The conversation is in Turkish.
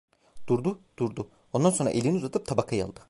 Durdu, durdu, ondan sonra elini uzatıp tabakayı aldı.